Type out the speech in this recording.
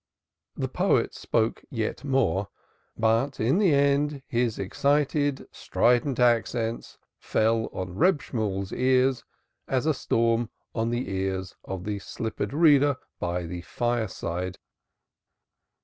The poet spoke yet more, but in the end his excited stridulous accents fell on Reb Shemuel's ears as a storm without on the ears of the slippered reader by the fireside.